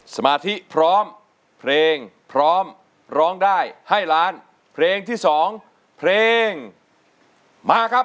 สมาธิพร้อมเพลงพร้อมร้องได้ให้ล้านเพลงที่สองเพลงมาครับ